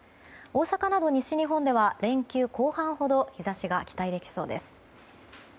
大阪など西日本では連休後半ほど日差しが期待できそうです。